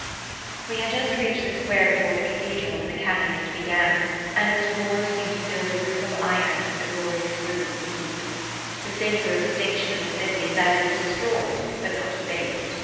We had just reached the square before the Cathedral when the cannonade began, and its roar seemed to build a roof of iron over the glorious ruins of Ypres. The singular distinction of the city is that it is destroyed but not abased.